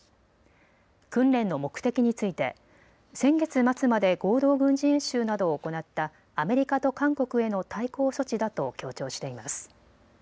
訓練の目的について先月末まで合同軍事演習などを行ったアメリカと韓国への対抗措置だと強調しています。